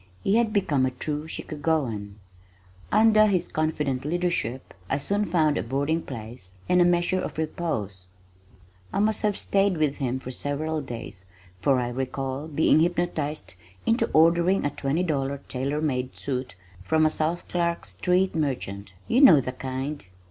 He had become a true Chicagoan. Under his confident leadership I soon found a boarding place and a measure of repose. I must have stayed with him for several days for I recall being hypnotized into ordering a twenty dollar tailor made suit from a South Clark street merchant you know the kind.